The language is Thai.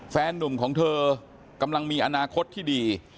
แฟนนุ่มของเธอกำลังมีอนาคตที่ดี